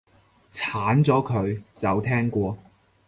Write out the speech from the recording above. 鏟咗佢，就聽過